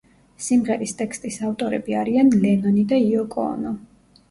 სიმღერის ტექსტის ავტორები არიან ლენონი და იოკო ონო.